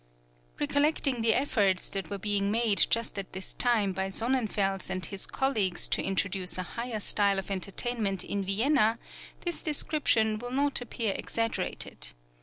Recollecting the efforts that were being made just at this time by Sonnenfels and his colleagues to introduce a higher style of entertainment in Vienna, this description will not appear exaggerated.